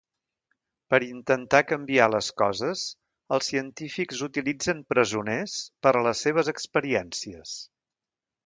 Per intentar canviar les coses, els científics utilitzen presoners per a les seves experiències.